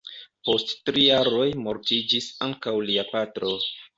Post tri jaroj mortiĝis ankaŭ lia patro.